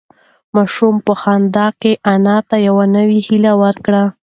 ماشوم په خندا کې انا ته یوه نوې هیله ورکړه.